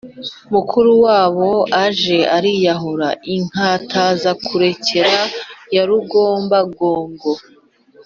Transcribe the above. mukuru wabo aje ariyahura, inkatazakurekera ya rugombangogo